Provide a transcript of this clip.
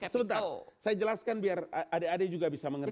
sebentar saya jelaskan biar adik adik juga bisa mengerti